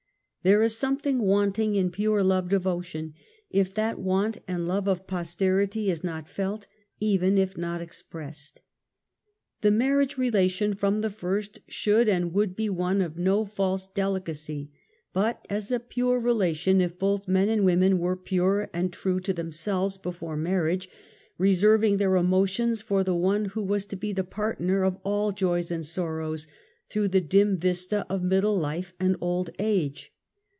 There is something wanting in pure love devotion if that want and love of posterity is not felt, even if not expressed. The marriage re lation from the first should and would be one of no false delicacy, but as a pure relation if both men and women Avere pure and true to themselves before marriage, reserving their emotions for the one who was to be the partner of all joys and sorrows through the dim vista of middle life and old age.